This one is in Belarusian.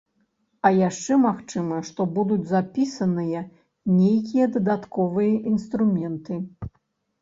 А яшчэ магчыма, што будуць запісаныя нейкія дадатковыя інструменты.